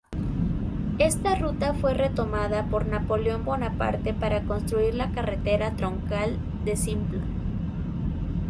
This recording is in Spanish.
Esta ruta fue retomada por Napoleón Bonaparte para construir la carretera troncal de Simplon.